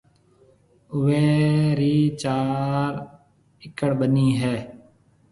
اوئيَ رِي چار اِڪڙ ٻنِي ھيََََ